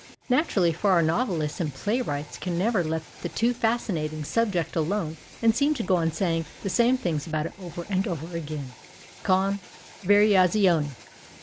Naturally, for our novelists and playwTights can never let the too fascinating subject alone and seem to go on saying the same things about it over and over again — con variazioni.